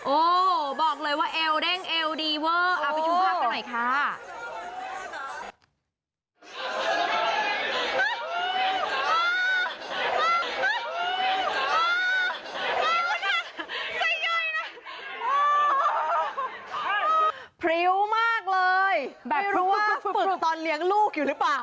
โอ้บอกเลยว่าเอวเด้งเอวดีเวอร์เอาไปดูภาพกันหน่อยค่ะ